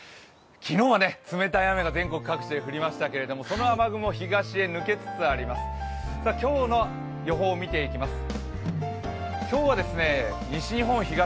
昨日は冷たい雨が、全国各地で降りましたけれどもその雨雲、東へ抜けつつあります。